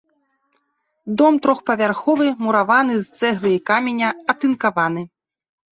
Дом трохпавярховы, мураваны з цэглы і каменя, атынкаваны.